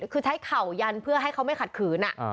คือใช้เข่ายันเพื่อให้เขาไม่ขัดขืน